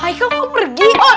aikal kok pergi